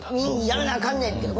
「やらなあかんねん！」っていう。